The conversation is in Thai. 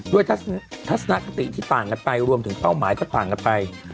ทัศนคติที่ต่างกันไปรวมถึงเป้าหมายก็ต่างกันไป